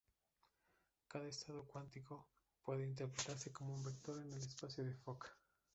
Cada estado cuántico puede interpretarse como un vector en el espacio de Fock.